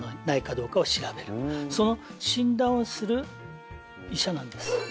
その診断をする医者なんです。